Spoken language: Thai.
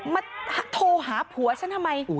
มาโทรหาผัวฉันทำไม